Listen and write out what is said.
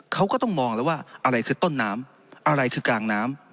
เขาก็ต้องมองแล้วว่าอะไรคือต้นน้ำอะไรคือกลางน้ำ